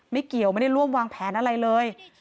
ไม่เกี่ยวไม่ได้ร่วมวางแผนอะไรเลย